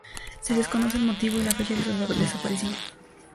Se desconoce el motivo y la fecha de su desaparición.